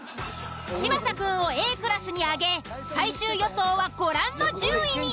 嶋佐くんをＡクラスに上げ最終予想はご覧の順位に。